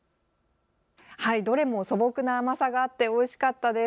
どれも素朴な甘さがあっておいしかったです。